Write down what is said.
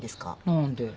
何で？